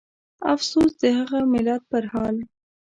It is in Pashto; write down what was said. افسوس د هغه ملت پرحال